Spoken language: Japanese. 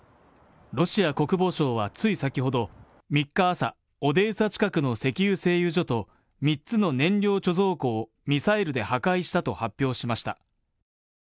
ロシア国防省はつい先ほど３日朝、オデーサ近くの石油製油所と３つの燃料貯蔵庫をミサイルで破壊したと発表しました。